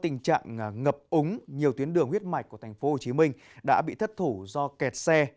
nhiều tiến đường huyết mạch của tp hcm đã bị thất thủ do kẹt xe